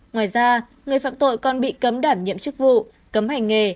ngoài ra người phạm tội còn bị cấm đảm nhiệm chức vụ cấm hành nghề